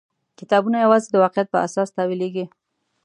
کتابونه یوازې د واقعیت پر اساس تاویلېږي.